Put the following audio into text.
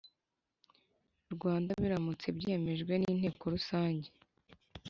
Rwanda biramutse byemejwe n Inteko rusange